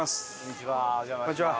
こんにちは。